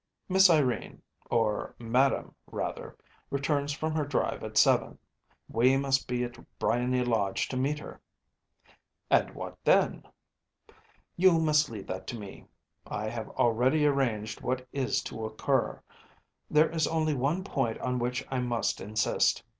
Miss Irene, or Madame, rather, returns from her drive at seven. We must be at Briony Lodge to meet her.‚ÄĚ “And what then?‚ÄĚ “You must leave that to me. I have already arranged what is to occur. There is only one point on which I must insist.